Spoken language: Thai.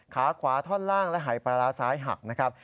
ขาขวาท่อนล่างและหายปลาร้าซ้ายหักนะครับ